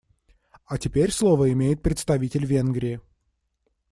А теперь слово имеет представитель Венгрии.